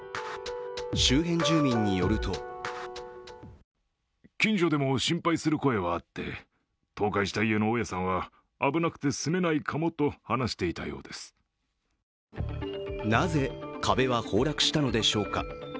周辺住民によるとなぜ、壁は崩落したのでしょうか